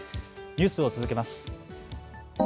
ニュースを続けます。